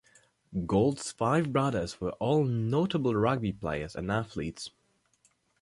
Gould's five brothers were all notable rugby players and athletes.